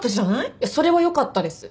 いやそれはよかったです。